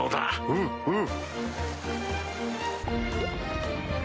うんうん。